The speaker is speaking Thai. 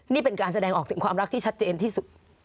นี่เป็นการแสดงออกถึงความรักที่ชัดเจนที่สุด